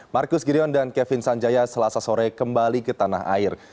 marcus gideon dan kevin sanjaya selasa sore kembali ke tanah air